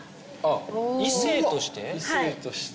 おぉ異性として？